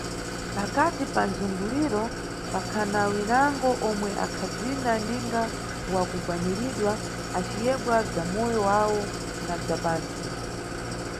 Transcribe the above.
Pakati pa mzunguliro pakhana winango omwe akhabzina ninga wakugwaniridwa, aciyebwa bza moyo wawo na bza pantsi.